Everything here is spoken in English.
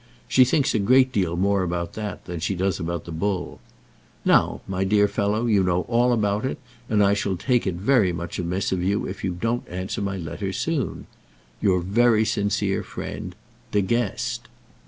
She thinks a great deal more about that than she does about the bull. Now, my dear fellow, you know all about it, and I shall take it very much amiss of you if you don't answer my letter soon. Your very sincere friend, DE GUEST.